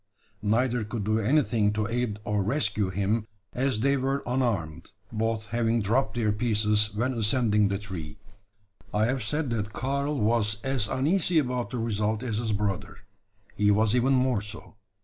Neither could do anything to aid or rescue him, as they were unarmed both having dropped their pieces when ascending the tree. I have said that Karl was as uneasy about the result as his brother. He was even more so.